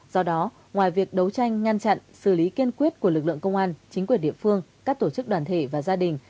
do đó ngoài việc đấu tranh ngăn chặn xử lý kiên quyết của lực lượng công an chính quyền địa phương các tổ chức đoàn thể và gia đình